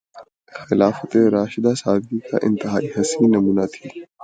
خلافت راشدہ سادگی کا انتہائی حسین نمونہ تھی۔